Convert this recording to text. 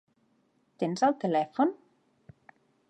Tens el telèfon?